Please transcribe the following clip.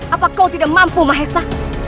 apa kau tidak mampu mahesa